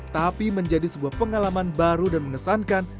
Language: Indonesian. tapi menjadi sebuah pengalaman baru dan mengesankan